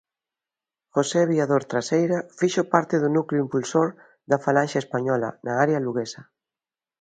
José Viador Traseira fixo parte do núcleo impulsor da Falanxe Española na área luguesa.